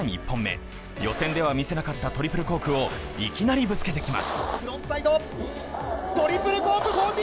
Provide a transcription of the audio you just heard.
１本目、予選では見せなかったトリプルコークをいきなりぶつけてきます。